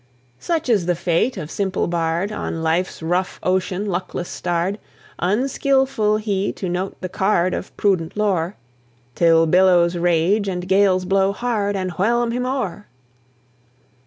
Such is the fate of simple bard, On life's rough ocean luckless starr'd! Unskilful he to note the card Of prudent lore, Till billows rage, and gales blow hard, And whelm him o'er!